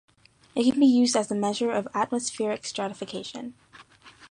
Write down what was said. It can be used as a measure of atmospheric stratification.